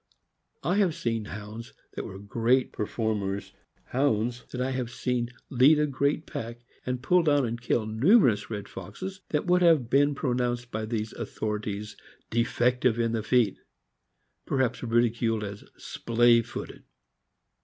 I have seen Hounds that were great performers — Hounds that I have seen lead a great pack, and pull down and kill numerous red foxes— that would have been pronounced by these authorities defective in the feet; perhaps ridiculed as " splay footed.